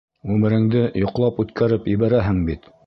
Ғүмереңде йоҡлап үткәреп ебәрәһең бит.